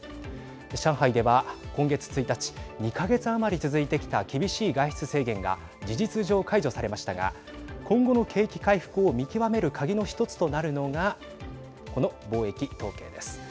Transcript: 上海では、今月１日２か月余り続いてきた厳しい外出制限が事実上、解除されましたが今後の景気回復を見極める鍵の一つとなるのがこの貿易統計です。